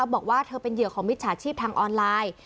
บอกว่าเธอเป็นเหยื่อของมิจฉาชีพทางออนไลน์